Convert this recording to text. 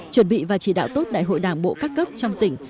chuẩn bị và chỉ đạo tốt đại hội đảng bộ các cấp trong tỉnh